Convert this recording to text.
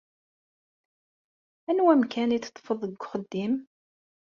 Anwa amkan i teṭṭfeḍ deg uxeddim?